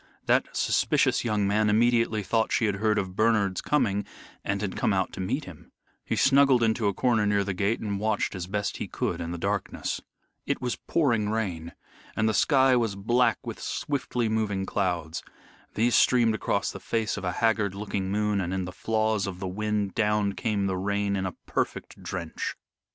That suspicious young man immediately thought she had heard of Bernard's coming and had come out to meet him. He snuggled into a corner near the gate and watched as best he could in the darkness. It was pouring rain, and the sky was black with swiftly moving clouds. These streamed across the face of a haggard looking moon, and in the flaws of the wind down came the rain in a perfect drench.